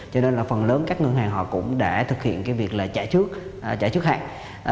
cho nên phần lớn các ngân hàng cũng đã thực hiện việc trả trước hạng